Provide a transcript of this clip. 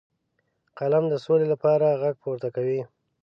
قلم د سولې لپاره غږ پورته کوي